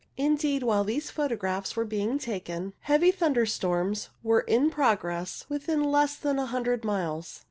Indeed, while these photographs were being taken, heavy thunderstorms were in pro gress within less than a hundred miles.